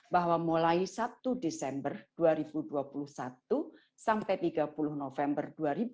bahwa mulai satu desember dua ribu dua puluh satu sampai tiga puluh november dua ribu dua puluh